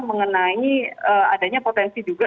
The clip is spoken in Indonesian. mengenai adanya potensi juga